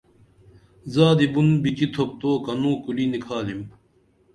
زادی بُن بِچِی تُھوپ تو کنوں کُری نِکھالم